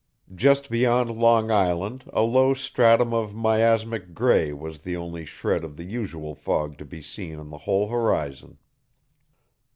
Just beyond Long Island a low stratum of miasmic gray was the only shred of the usual fog to be seen on the whole horizon.